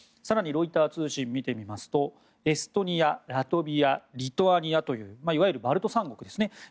更にロイター通信を見てみますとエストニアラトビア、リトアニアといういわゆるバルト三国ですね。